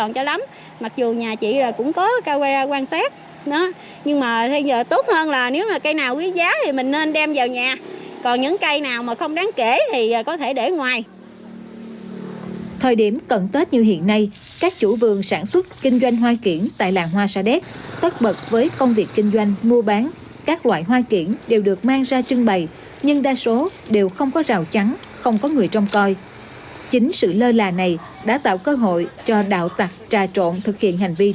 cây kiển trưng bày sát đường không có rào trắng bảo vệ